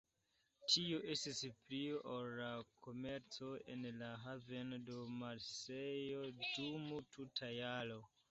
Tio estis pli ol la komerco en la haveno de Marsejlo dum tuta jaro.